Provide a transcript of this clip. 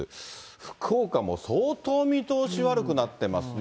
福岡も相当見通し悪くなってますね。